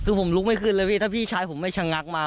คือผมลุกไม่ขึ้นเลยพี่ถ้าพี่ชายผมไม่ชะงักมา